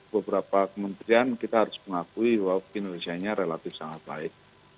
beberapa kementerian kita harus mengakui bahwa kinerjanya relatif sangat baik